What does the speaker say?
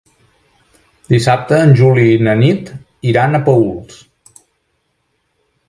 Dissabte en Juli i na Nit iran a Paüls.